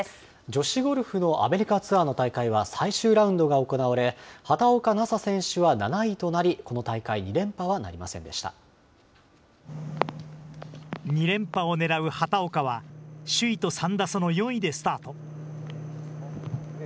女子ゴルフのアメリカツアーの大会は最終ラウンドが行われ、畑岡奈紗選手は７位となり、この大会、２連覇をねらう畑岡は、首位と３打差の４位でスタート。